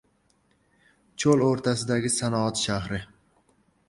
Cho‘l o‘rtasidagi sanoat shahri